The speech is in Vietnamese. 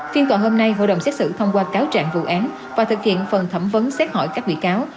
phiên tòa hôm nay hội đồng xét xử thông qua cáo trạng vụ án và thực hiện phần thẩm vấn xét hỏi các bị cáo